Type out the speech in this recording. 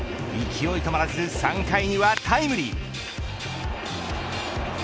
勢い止まらず３回にはタイムリー。